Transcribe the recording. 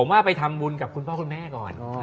ผมว่าไปทำบุญกับคุณพ่อคุณแม่ก่อน